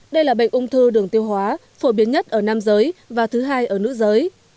đây là bệnh ung thư đường tiêu hóa phổ biến nhất ở nam giới và thứ hai ở nữ giới